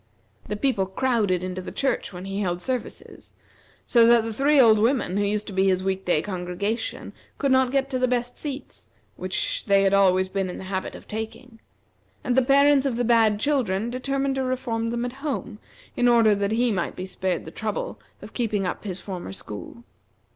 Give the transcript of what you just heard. The people crowded into the church when he held services, so that the three old women who used to be his week day congregation could not get to the best seats, which they had always been in the habit of taking; and the parents of the bad children determined to reform them at home, in order that he might be spared the trouble of keeping up his former school.